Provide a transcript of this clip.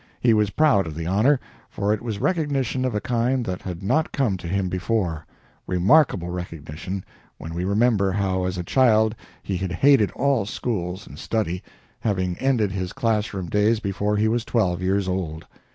He was proud of the honor, for it was recognition of a kind that had not come to him before remarkable recognition, when we remember how as a child he had hated all schools and study, having ended his class room days before he was twelve years old.